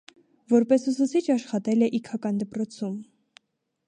Որպես ուսուցիչ աշխատել է իգական դպրոցում։